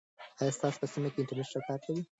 آیا ستاسو په سیمه کې انټرنیټ ښه کار کوي؟